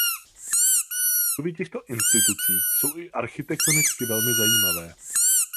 Budovy těchto institucí jsou i architektonicky velmi zajímavé.